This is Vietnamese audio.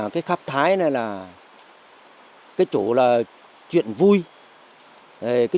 cứ như thế cuộc hát kéo dài